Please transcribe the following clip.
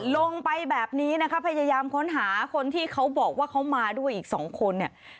ลงไปแบบนี้นะคะพยายามค้นหาคนที่เขาบอกว่าเขามาด้วยอีกสองคนเนี่ย